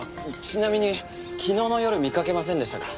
ちなみに昨日の夜見かけませんでしたか？